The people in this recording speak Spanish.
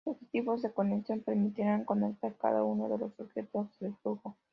Los objetos de conexión permitirán conectar cada uno de los objetos de flujo.